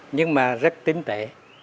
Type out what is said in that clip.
nhưng mà rất tinh tế